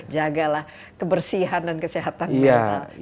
jagalah kebersihan dan kesehatan mental